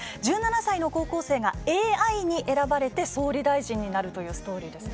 １７才の高校生がＡＩに選ばれて総理大臣になるというストーリーです。